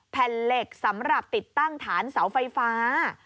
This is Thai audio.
แผ่นเหล็กสำหรับติดตั้งฐานเสาไฟฟ้า